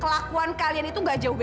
kelakuan kalian itu gak jauh jauh